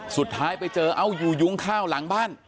สุดท้ายไปเจอเอาอยู่ยุ้งข้าวหลังบ้าน